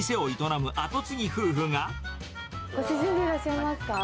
ご主人でいらっしゃいますか？